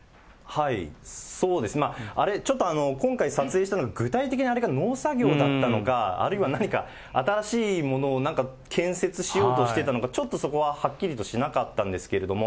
ちょっと今回、撮影したのが、具体的なあれが農作業だったのか、あるいは何か、新しいものをなんか建設しようとしていたのか、ちょっとそこははっきりとしなかったんですけれども、